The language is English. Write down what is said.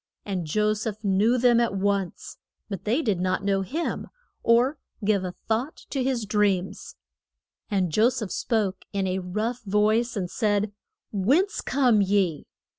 And Jo seph knew them at once, but they did not know him, or give a thought to his dreams. And Jo seph spoke in a rough voice, and said, Whence come ye?